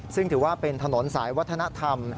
ซึ่งถือว่าเป็นถนนสายวัฒนธรรม